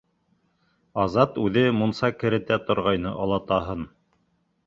Азат үҙе мунса керетә торғайны олатаһын.